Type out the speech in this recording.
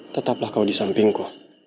tetaplah kau di sampingku